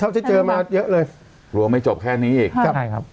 เท่าจะเจอมาเยอะเลยกลัวไม่จบแค่นี้อีกใช่ครับ